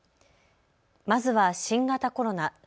まずは新型コロナ。